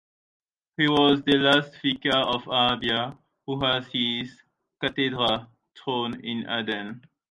He was the last Vicar of Arabia who had his "Cathedra" (throne) in Aden.